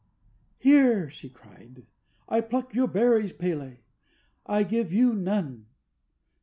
"Here," she cried, "I pluck your berries, P├®l├®, and I give you none!